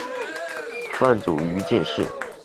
范祖禹进士。